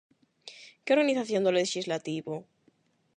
Que organización do lexislativo?